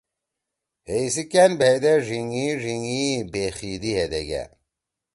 ہے ایِسی کأن بھئیدے ڙھیِنگی ڙھیِنگی ئی بے خیِدی ہیدیگأ۔